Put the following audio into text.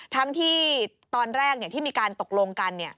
ทั้งที่ตอนแรกที่มีการตกลงกัน